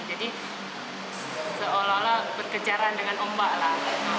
jadi seolah olah berkejaran dengan ombak lah